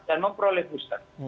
dan memperoleh booster